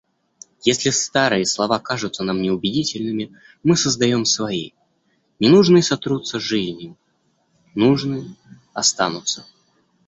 Если старые слова кажутся нам неубедительными, мы создаём свои. Ненужные сотрутся жизнью, нужные останутся.